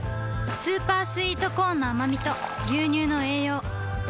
スーパースイートコーンのあまみと牛乳の栄養